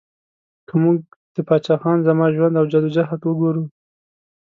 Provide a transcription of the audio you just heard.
که موږ د پاچا خان زما ژوند او جد او جهد وګورو